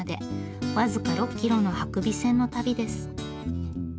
僅か６キロの伯備線の旅です。